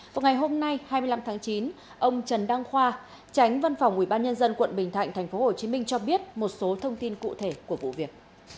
vào ngày hôm nay hai mươi năm tháng chín ông trần đăng khoa tránh văn phòng ủy ban nhân dân quận bình thạnh tp hcm cho biết một số thông tin cụ thể của vụ việc